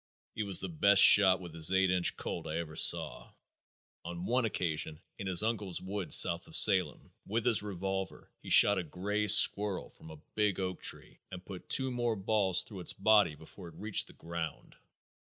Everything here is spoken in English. He was the best shot with his eight inch Colt I ever saw. On one occasion, in his uncle's woods south of Salem, with his revolver, he shot a grey squirrel from a big oak tree and put two more balls through its body before it reached the ground.